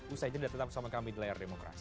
usai jeda tetap bersama kami di layar demokrasi